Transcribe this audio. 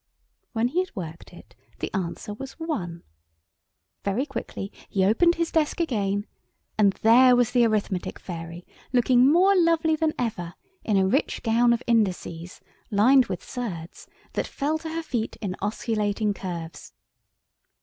When he had worked it the answer was one. Very quickly he opened his desk again, and there was the Arithmetic Fairy, looking more lovely than ever in a rich gown of indices, lined with surds, that fell to her feet in osculating curves.